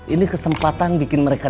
ini kesempatan bikin mereka